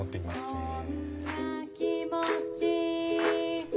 へえ。